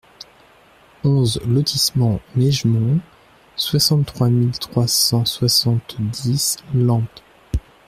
onze lotissement Mègemont, soixante-trois mille trois cent soixante-dix Lempdes